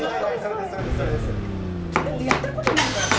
だって、やったことないからさ。